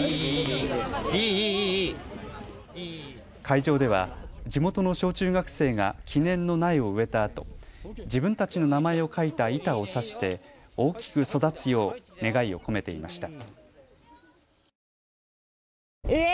会場では地元の小中学生が記念の苗を植えたあと自分たちの名前を書いた板を差して大きく育つよう願いを込めていました。